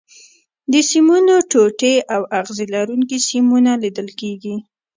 د سیمونو ټوټې او اغزي لرونکي سیمونه لیدل کېږي.